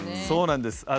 そうなんです。